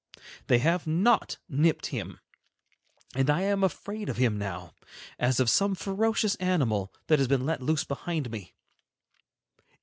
They have not nipped him, and I am afraid of him now, as of some ferocious animal that has been let loose behind me.